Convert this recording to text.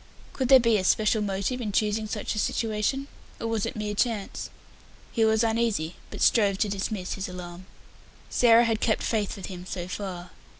Could there be a special motive in choosing such a situation, or was it mere chance? He was uneasy, but strove to dismiss his alarm. Sarah had kept faith with him so far.